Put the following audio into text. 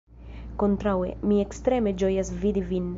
Kontraŭe, mi ekstreme ĝojas vidi vin.